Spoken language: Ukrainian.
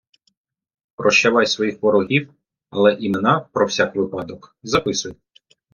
Прощавай своїх ворогів, але імена про всяк випадок записуй